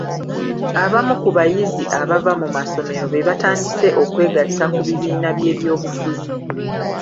Abamu ku bayizi abava mu masomero be batandise okwegatta ku bibiina byebyo bufuzi.